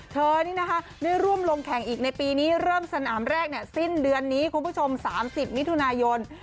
เธอนี่นะคะได้ร่วมลงแข่งอีกในปีนี้เริ่มสนามแรกสิ้นเดือนนี้คุณผู้ชม๓๐มิถุนายน